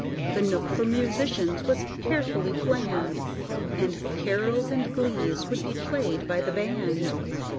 The nook for musicians was carefully planned, And carols and glees would be played by the band.